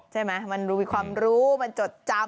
ใช่ไหมมันดูมีความรู้มันจดจำ